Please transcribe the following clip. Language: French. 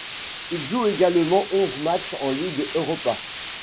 Il joue également onze matchs en Ligue Europa.